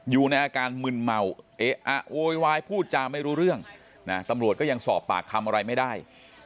อยู่ในอาการมึนเมาเอ๊ะอะโวยวายพูดจาไม่รู้เรื่องนะตำรวจก็ยังสอบปากคำอะไรไม่ได้